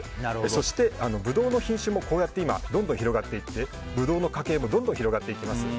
そして、ブドウの品種もこうやって今、どんどん広がってブドウの家系もどんどん広がっていきます。